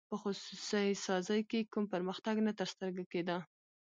په خصوصي سازۍ کې کوم پرمختګ نه تر سترګو کېده.